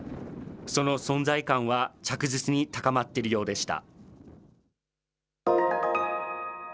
その存在感は着実に高まっているようでした。